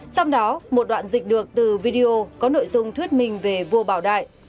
trong đó một đoạn dịch được từ video có nội dung thuyết minh về vua bảo đại